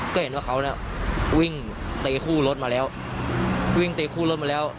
ก็เห็นว่าเขาน่ะวิ่งตีคู่รถมาแล้ววิ่งตีคู่รถมาแล้ว